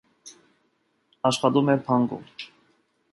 Աշխատում էր բանկում։